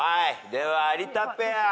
では有田ペア。